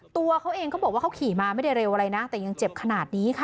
ตัวเขาเองเขาบอกว่าเขาขี่มาไม่ได้เร็วอะไรนะแต่ยังเจ็บขนาดนี้ค่ะ